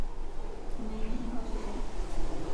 我们应该先告诉谁？